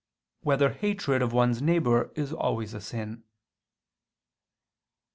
3] Whether hatred of one's neighbor is always a sin?